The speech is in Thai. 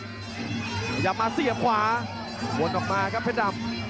พยายามมาเสียบขวาวนออกมาครับเพชรดำ